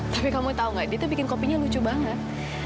tapi kamu tau gak dia itu bikin kopinya lucu banget